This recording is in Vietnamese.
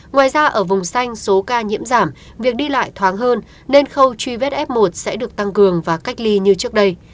ngoài ra ở vùng xanh số ca nhiễm giảm việc đi lại thoáng hơn nên khâu truy vết f một sẽ được tăng cường và cách ly như trước đây